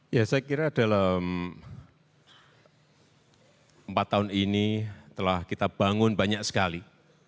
ya saya kira dalam empat tahun ini telah kita bangun banyak sekali